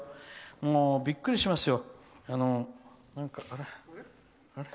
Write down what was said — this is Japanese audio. もうびっくりしますよ。